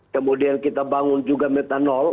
kemudian kita bangun juga metanol